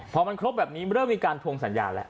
พอมันครบแบบนี้เริ่มมีการทวงสัญญาแล้ว